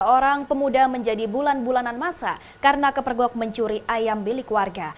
dua orang pemuda menjadi bulan bulanan masa karena kepergok mencuri ayam milik warga